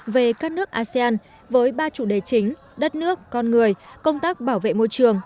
về các nước asean với ba chủ đề chính đất nước con người công tác bảo vệ môi trường